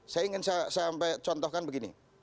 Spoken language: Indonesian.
saya ingin contohkan begini